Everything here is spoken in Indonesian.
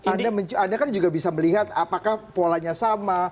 anda kan juga bisa melihat apakah polanya sama